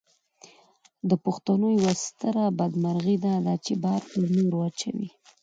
د پښتنو یوه ستره بدمرغي داده چې بار پر نورو اچوي.